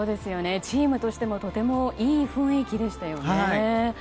チームとしてもとてもいい雰囲気でしたね。